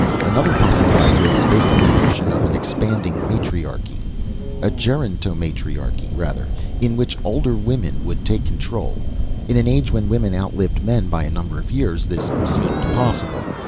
"Another popular idea was based on the notion of an expanding matriarchy a gerontomatriarchy, rather, in which older women would take control. In an age when women outlived men by a number of years, this seemed possible.